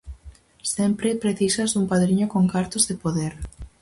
Sempre precisas un padriño con cartos e poder.